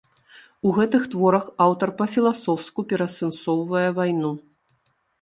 У гэтых творах аўтар па-філасофску пераасэнсоўвае вайну.